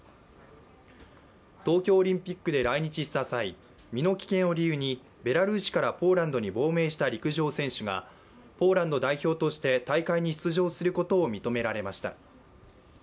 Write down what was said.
東京オリンピックで来日した際、身の危険を理由にベラルーシからポーランドに亡命した陸上選手がポーランド代表として大会に出場することを認められました。